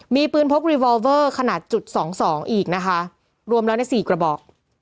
มีปืนพกรีวอลเวอร์ขนาดจุดสองสองอีกนะคะรวมแล้วในสี่กระบอก